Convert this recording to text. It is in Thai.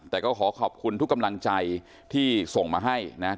แต่ก็ขอขอบคุณทุกกำลังใจที่ส่งมาให้นะครับ